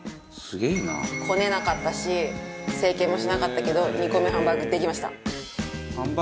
こねなかったし成形もしなかったけど煮込みハンバーグできました。